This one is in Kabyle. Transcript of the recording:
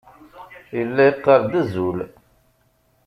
Yella yeqqar-d "azul".